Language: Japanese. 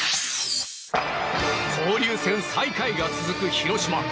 交流戦最下位が続く広島。